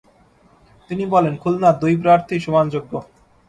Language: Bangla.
তিনি বলেন, খুলনার দুই প্রার্থীই সমান যোগ্য।